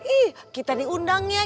ih kita diundang ya